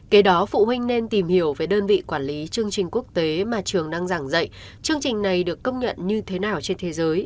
kế đó phụ huynh nên tìm hiểu về đơn vị quản lý chương trình quốc tế mà trường đang giảng dạy chương trình này được công nhận như thế nào trên thế giới